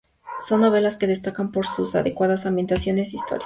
Son novelas que destacan por sus adecuadas ambientaciones históricas.